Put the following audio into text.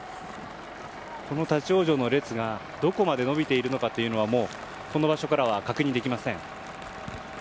この立ち往生の列がどこまで延びているかというのがもう、この場所からは確認できません。